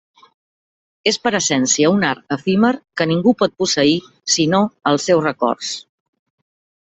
És per essència un art efímer que ningú pot posseir sinó als seus records.